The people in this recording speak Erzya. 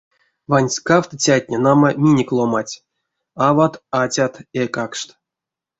Ванськавтыцятне, нама, минек ломанть: ават, атят, эйкакшт.